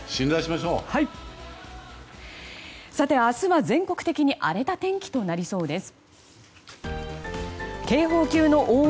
明日は全国的に荒れた天気となりそうです。